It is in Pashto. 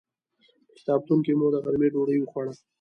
په کتابتون کې مو د غرمې ډوډۍ وخوړه.